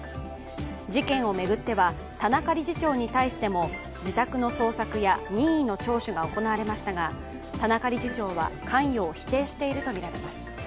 事件を巡っては、田中理事長に対しても自宅の捜索や任意の聴取が行われましたが田中理事長は関与を否定しているとみられます。